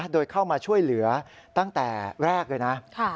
โดยเข้ามาช่วยเหลือตั้งแต่แรกเลยนะ